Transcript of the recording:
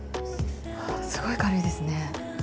すごい軽いですね。